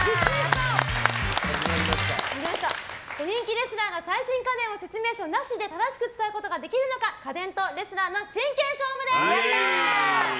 人気レスラーが最新家電を説明書なしで正しく使うことができるのか家電とレスラーの真剣勝負です。